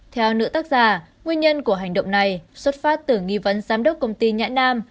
theo nữ tác giả nguyên nhân của hành động này xuất phát từ nghi vấn giám đốc công ty nhã nam